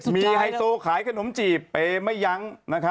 มีไฮโซขายขนมจีบเปย์ไม่ยั้ง